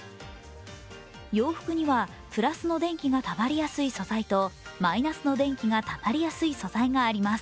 洋服には、プラスの電気がたまりやすい素材とマイナスの電気がたまりやすい素材があります。